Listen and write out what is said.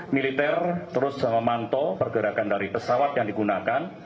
militer terus memantau pergerakan dari pesawat yang digunakan